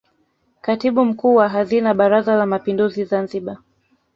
Katibu Mkuu wa Hazina Baraza la Mapinduzi Zanzibar